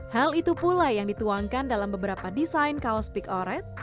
hal itu pula yang dituangkan dalam beberapa desain kaos big oret